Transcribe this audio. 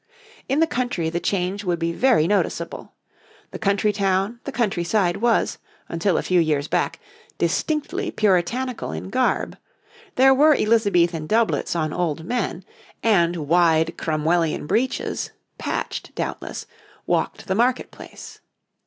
In the country the change would be very noticeable. The country town, the countryside, was, until a few years back, distinctly Puritanical in garb; there were Elizabethan doublets on old men, and wide Cromwellian breeches, patched doubtless, walked the market place.